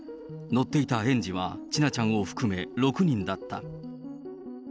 乗っていた園児は千奈ちゃんを含め６人だった。